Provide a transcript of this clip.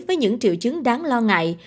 với những triệu chứng đáng lo ngại